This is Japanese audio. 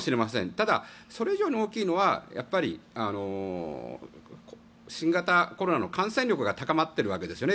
ただ、それ以上に大きいのはやっぱり新型コロナの感染力が高まっているわけですよね